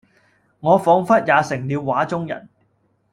我彷彿也成了畫中人